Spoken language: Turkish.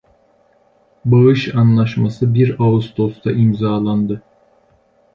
Bağış anlaşması bir Ağustos'ta imzalandı.